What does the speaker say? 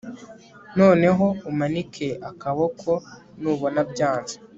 noneho umanike akaboko nubona byanze